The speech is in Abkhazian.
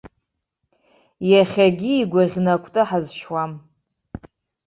Иахьагьы игәаӷьны акәты ҳазшьуам.